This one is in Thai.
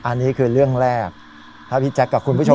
อันนี้คือเรื่องแรกถ้าพี่แจ๊คกับคุณผู้ชม